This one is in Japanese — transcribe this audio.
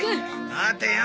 待てよ。